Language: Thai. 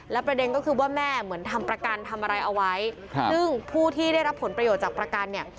ประเด็นก็คือว่าแม่เหมือนทำประกันทำอะไรเอาไว้ซึ่งผู้ที่ได้รับผลประโยชน์จากประกันเนี่ย